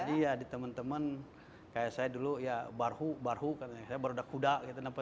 iya di teman teman kayak saya dulu ya barhu barhu baruda kuda gitu